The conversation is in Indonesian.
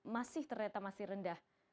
masih ternyata masih rendah